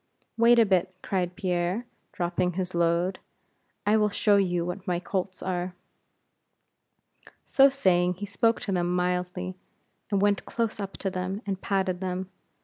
"Wait a bit," cried Pierre, dropping his load; "I will show you what my colts are." So saying, he spoke to them mildly, and went close up to them, and patted them.